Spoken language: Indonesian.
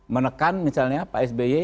menekan misalnya pak sby